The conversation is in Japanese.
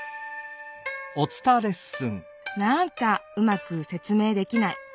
なんかうまくせつ明できない。